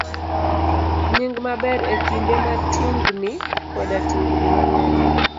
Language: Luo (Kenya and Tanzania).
B. Nying maber. E kinde ma tungni koda tungni ng'eny,